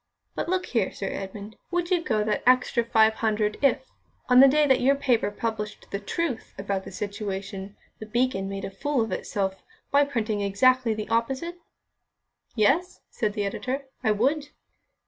But look here, Sir Edmund, would you go that extra five hundred if, on the day that your paper published the truth about the situation, The Beacon made a fool of itself by printing exactly the opposite?" "Yes," said the editor, "I would."